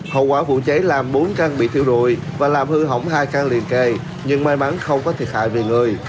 hậu quả vụ cháy làm bốn căn bị thiêu rụi và làm hư hỏng hai căn liền kề nhưng may mắn không có thiệt hại về người